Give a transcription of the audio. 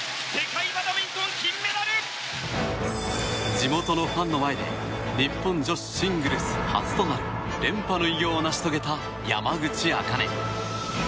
地元のファンの前で日本女子シングルス初となる連覇の偉業を成し遂げた山口茜。